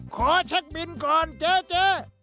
ขอเช็คบินก่อนเจ๊